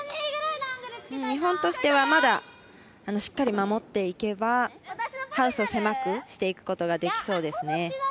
日本としてはまだしっかり守っていけばハウスを狭くしていくことができそうですね。